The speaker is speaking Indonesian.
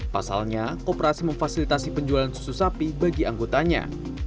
pasalnya kooperasi memfasilitasi penjualan susu sapi bagi anggotanya